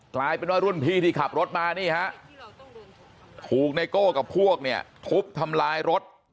กลายเป็นว่ารุ่นพี่ที่ขับรถมานี่ฮะถูกไนโก้กับพวกเนี่ยทุบทำลายรถ